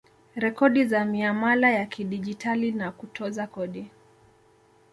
Rekodi za miamala ya kidigitali na kutoza kodi